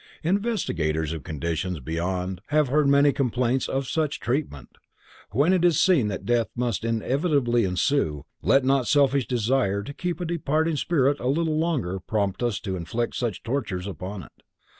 Investigators of conditions beyond have heard many complaints of such treatment. When it is seen that death must inevitably ensue, let not selfish desire to keep a departing spirit a little longer prompt us to inflict such tortures upon it.